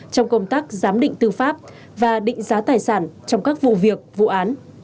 trong công tác giám định tư pháp và định giá tài sản trong các vụ việc vụ án